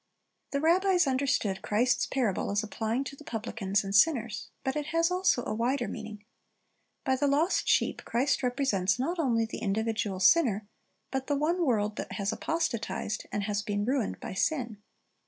The rabbis understood Christ's parable as applying to the publicans and sinners; but it has also a wider meaning. By the lost sheep Christ represents not only the individual sinner, but the one world that has apostatized, and has been ruined by sin.